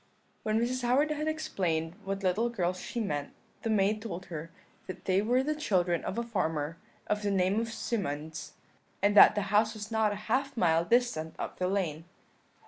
"When Mrs. Howard had explained what little girls she meant, the maid told her that they were the children of a farmer of the name of Symonds, and that the house was not a half mile distant up the lane.